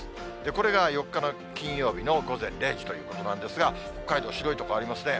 これが４日の金曜日の午前０時ということなんですが、北海道、白い所ありますね。